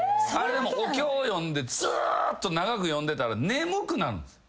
お経を読んでずーっと長く読んでたら眠くなるんです。